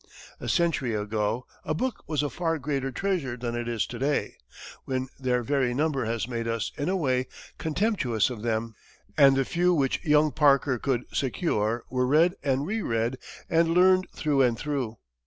A century ago, a book was a far greater treasure than it is to day, when their very number has made us in a way contemptuous of them; and the few which young Parker could secure were read and re read and learned through and through.